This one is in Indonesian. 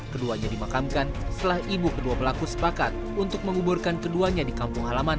keduanya dimakamkan setelah ibu kedua pelaku sepakat untuk menguburkan keduanya di kampung halaman